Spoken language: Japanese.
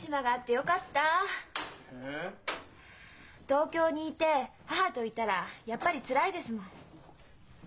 東京にいて母といたらやっぱりつらいですもん。